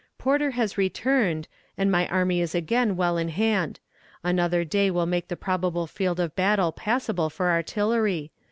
Porter has returned, and my army is again well in hand. Another day will make the probable field of battle passable for artillery.